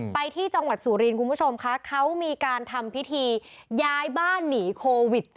ไปที่จังหวัดสุรินทร์คุณผู้ชมคะเขามีการทำพิธีย้ายบ้านหนีโควิด๑๙